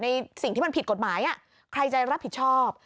สิ่งที่มันผิดกฎหมายใครจะรับผิดชอบ